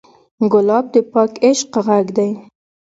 ګلاب د پاک عشق غږ دی.